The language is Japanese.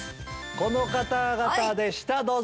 この方々でしたどうぞ。